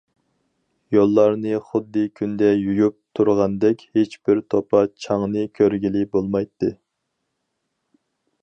يوللارنى خۇددى كۈندە يۇيۇپ تۇرغاندەك، ھېچبىر توپا- چاڭنى كۆرگىلى بولمايتتى.